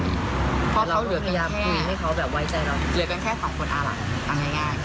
ให้เราให้ยอมด้วย